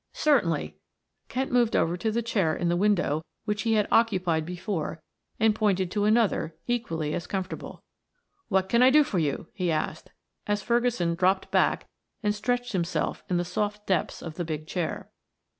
"Certainly." Kent moved over to the chair in the window which he had occupied before and pointed to another, equally as comfortable. "What can I do for you?" he asked as Ferguson dropped back and stretched himself in the soft depths of the big chair.